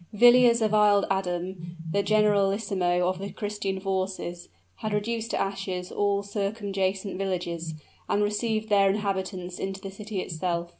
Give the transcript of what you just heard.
Villiers of Isle Adam, the generalissimo of the Christian forces, had reduced to ashes all circumjacent villages, and received their inhabitants into the city itself.